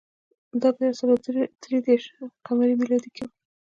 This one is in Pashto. دا په یو سوه درې دېرش ق م کې و